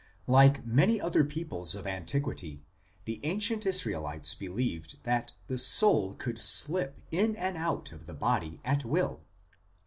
Like many other peoples of antiquity, the ancient Israelites believed that the soul could slip in and out of the body at will.